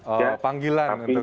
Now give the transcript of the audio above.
oh panggilan untuk sahur